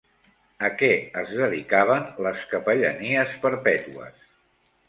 A què es dedicaven les capellanies perpètues?